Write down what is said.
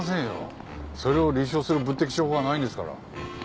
それを立証する物的証拠がないんですから。